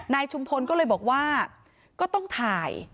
ชุมพลก็เลยบอกว่าก็ต้องถ่าย